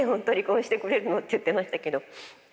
離婚してくれるの？って言ってましたけど。